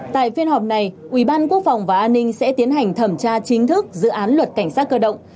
tại phiên họp này ủy ban quốc phòng và an ninh sẽ tiến hành thẩm tra chính thức dự án luật cảnh sát cơ động